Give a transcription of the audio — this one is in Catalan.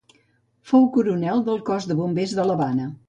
Fou coronel del cos de bombers de l’Havana.